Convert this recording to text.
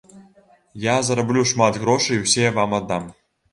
Я зараблю шмат грошай і ўсе вам аддам.